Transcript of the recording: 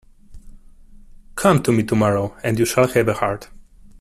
Come to me tomorrow and you shall have a heart.